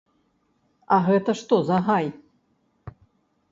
А гэта што за гай?